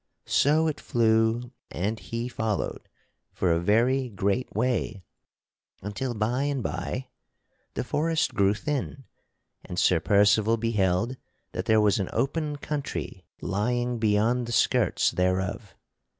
So it flew and he followed for a very great way until by and by the forest grew thin and Sir Percival beheld that there was an open country lying beyond the skirts thereof.